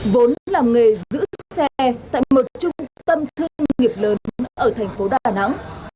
vốn làm nghề giữ xe tại một trung tâm thương nghiệp lớn ở thành phố đà nẵng